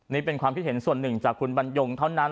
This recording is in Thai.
นี่เป็นความคิดเห็นส่วนหนึ่งจากคุณบรรยงเท่านั้น